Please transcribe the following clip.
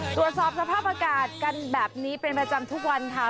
ตรวจสอบสภาพอากาศกันแบบนี้เป็นประจำทุกวันค่ะ